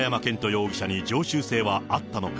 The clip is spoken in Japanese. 容疑者に常習性はあったのか。